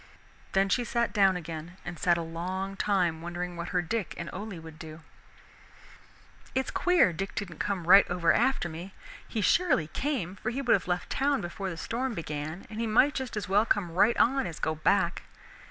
Then she sat down again and sat a long time wondering what her Dick and Ole would do. "It is queer Dick didn't come right over after me. He surely came, for he would have left town before the storm began and he might just as well come right on as go back.